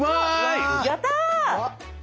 やった！